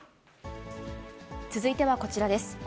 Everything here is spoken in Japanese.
続いてはこちらです。